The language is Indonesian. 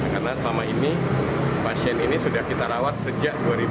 karena selama ini pasien ini sudah kita rawat sejak dua ribu sembilan